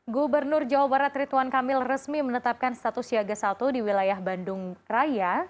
gubernur jawa barat rituan kamil resmi menetapkan status siaga satu di wilayah bandung raya